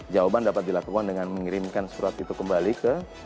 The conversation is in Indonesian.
jawaban dapat dilakukan dengan mengirimkan surat itu kembali ke